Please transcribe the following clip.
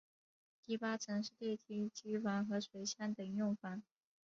第八层是电梯机房和水箱等用房。